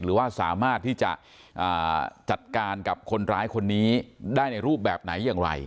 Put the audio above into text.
หรือว่าสามารถที่จะจัดการกับคนร้ายคนนี้ได้ในรูปแบบไหนอย่างไร